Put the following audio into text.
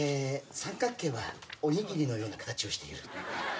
三角形はおにぎりのような形をしている。